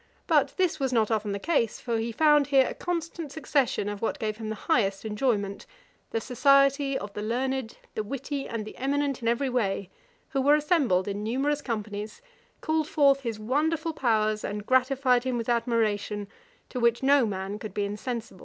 But this was not often the case; for he found here a constant succession of what gave him the highest enjoyment: the society of the learned, the witty, and the eminent in every way, who were assembled in numerous companies, called forth his wonderful powers, and gratified him with admiration, to which no man could be insensible.